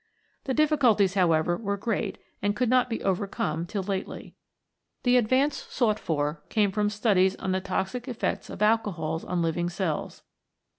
The difficulties, however, were great and could not be overcome till lately. The advance sought for came from studies on the toxic effects of alcohols on living cells.